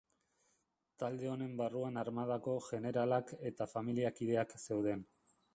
Talde honen barruan armadako jeneralak eta familia kideak zeuden.